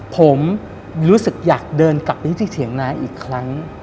ผมรู้สึกอยากเดินกลับไปที่เถียงนาอีกครั้ง